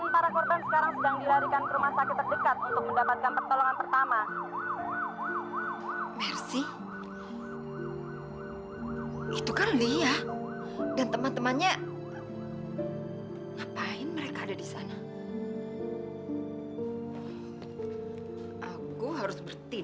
pemirsa saat ini saya sedang berada di daerah rawasjati